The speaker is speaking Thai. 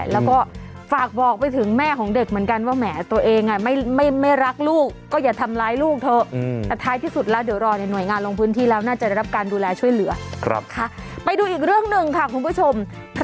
แล้วก็ฝากบอกไปถึงแม่ของเด็กเหมือนกันว่าแหมตัวเองอ่ะไม่ไม่ไม่รักลูกก็อย่าทำร้ายลูกเถอะอืม